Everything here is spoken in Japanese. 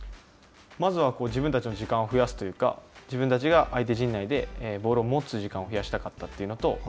まずは自分たちの時間を増やすというか、相手陣内でボールを持つ時間を増やしたかったというのと、